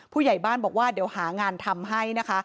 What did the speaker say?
ผู้ใหญ่บ้านบอกว่าเดี๋ยวหางานทำให้นะคะ